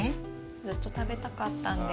ずっと食べたかったんです。